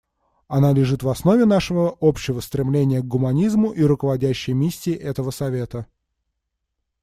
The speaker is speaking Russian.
Она лежит в основе нашего общего стремления к гуманизму и руководящей миссии этого Совета.